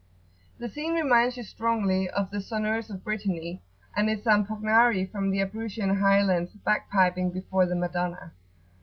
[FN#13] The scene reminds you strongly of the Sonneurs of Brittany and the Zampognari from the Abruzzian Highlands bagpiping before the Madonna.